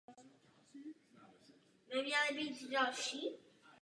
Končetiny byly pro účel lepší podpory velkého těla plně vzpřímené pod tělem.